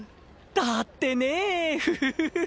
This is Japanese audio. だってねフフフフ！